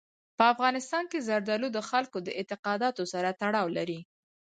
په افغانستان کې زردالو د خلکو د اعتقاداتو سره تړاو لري.